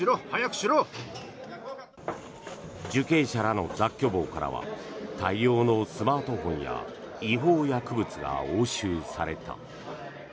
受刑者らの雑居房からは大量のスマートフォンや違法薬物が押収された。